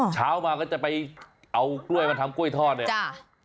เช้ามาก็จะไปเอากล้วยมาทำกล้วยทอดเนี่ย